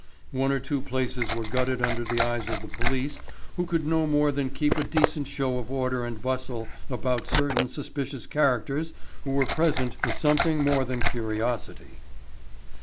One or two places were gutted under the eyes of the police who could do no more than keep a decent show of order and bustle about certain suspicious characters who were present for something more than curiosity.